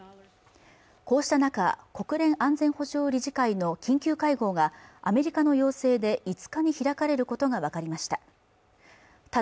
こうした中、国連安全保障理事会の緊急会合がアメリカの要請で５日に開かれることが分かりました